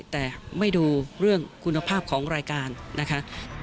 แต่ไม่ดูเรื่องคุณภาพของรายการนะคะ